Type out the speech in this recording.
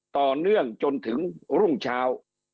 ต่อเนื่องจนถึงรุ่งเช้า